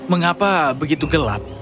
mengapa begitu gelap